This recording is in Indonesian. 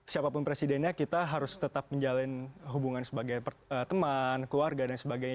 siapapun presidennya kita harus tetap menjalin hubungan sebagai teman keluarga dan sebagainya